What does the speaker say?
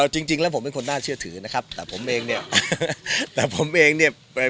จริงแล้วผมเป็นคนน่าเชื่อถือนะครับแต่ผมเองเนี่ย